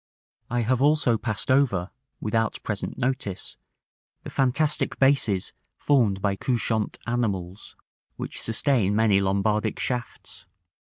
§ XX. I have also passed over, without present notice, the fantastic bases formed by couchant animals, which sustain many Lombardic shafts.